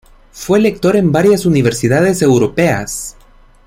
Fue lector en varias universidades europeas.